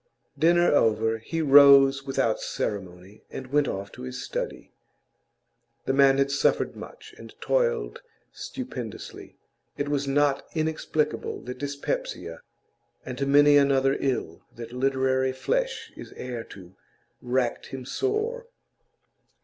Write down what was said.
Dinner over, he rose without ceremony and went off to his study. The man had suffered much and toiled stupendously. It was not inexplicable that dyspepsia, and many another ill that literary flesh is heir to, racked him sore.